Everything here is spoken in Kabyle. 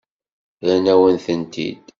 Rran-awen-tent-id.